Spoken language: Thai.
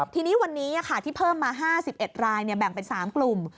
ทีนี้วันนี้ที่เพิ่มมา๕๑รายแบ่งเป็น๓กลุ่ม